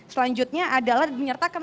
selanjutnya adalah menyertakan